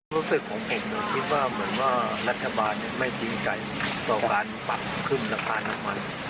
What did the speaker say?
รู้สึกของผมคิดว่าเหมือนว่ารัฐบาลไม่จริงใจต่อการปรับขึ้นราคาน้ำมัน